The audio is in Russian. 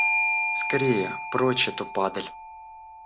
Скорее, прочь эту падаль!